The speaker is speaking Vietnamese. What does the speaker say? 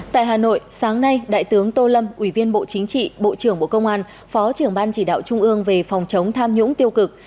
tại hà nội sáng nay đại tướng tô lâm ủy viên bộ chính trị bộ trưởng bộ công an phó trưởng ban chỉ đạo trung ương về phòng chống tham nhũng tiêu cực